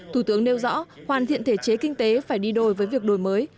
thủ tướng nêu rõ hoàn thiện thể chế kinh tế phải đi đôi với việc đổi mới